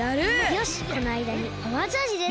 よしこのあいだにパワーチャージです。